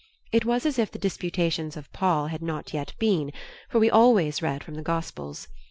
It was as if the disputations of Paul had not yet been, for we always read from the Gospels.